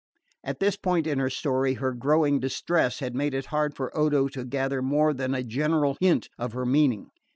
At this point in her story her growing distress had made it hard for Odo to gather more than a general hint of her meaning.